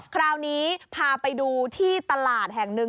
คราวนี้พาไปดูที่ตลาดแห่งหนึ่ง